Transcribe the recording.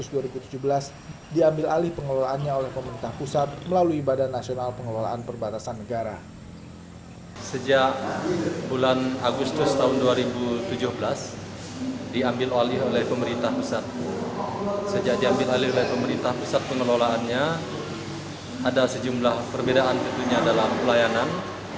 sejak diambil oleh pemerintah pusat pengelolaannya ada sejumlah perbedaan tentunya dalam pelayanan